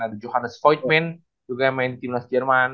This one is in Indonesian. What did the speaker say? ada johannes voigtman juga yang main di team west jerman